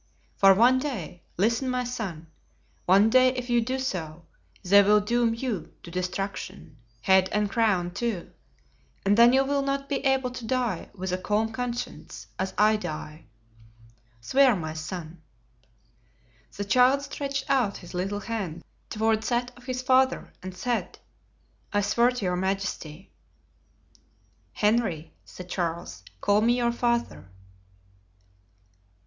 For one day—listen, my son—one day, if you do so, they will doom you to destruction, head and crown, too, and then you will not be able to die with a calm conscience, as I die. Swear, my son." The child stretched out his little hand toward that of his father and said, "I swear to your majesty." "Henry," said Charles, "call me your father."